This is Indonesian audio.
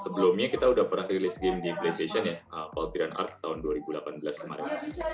belumnya kita udah pernah rilis game di playstation ya valtryan ark tahun dua ribu delapan belas kemarin